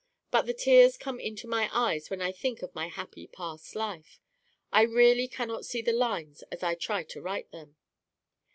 But the tears come into my eyes when I think of my happy past life. I really cannot see the lines as I try to write them.